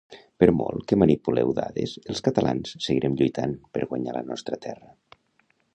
Per molt que manipuleu dades els catalans seguirem lluitant per guanyar la nostra terra